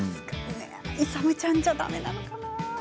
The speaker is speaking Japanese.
勇ちゃんじゃだめなのかな。